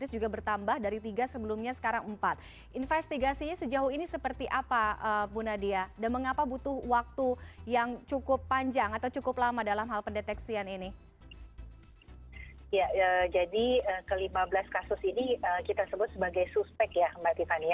jadi ke lima belas kasus ini kita sebut sebagai suspek ya mbak tiffany